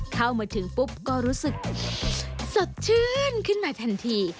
เข้ามาถึงปุ๊บก็รู้สึกสดชื่นขึ้นมาทันที